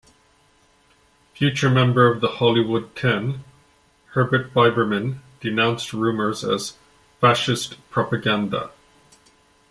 Future member of the Hollywood Ten Herbert Biberman denounced rumors as "Fascist propaganda".